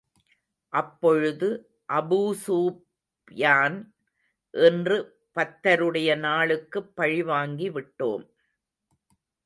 அப்பொழுது அபூஸூப்யான், இன்று பத்ருடைய நாளுக்குப் பழி வாங்கிவிட்டோம்.